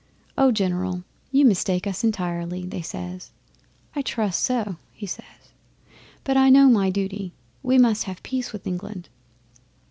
"Oh, General, you mistake us entirely!" they says. "I trust so," he says. "But I know my duty. We must have peace with England."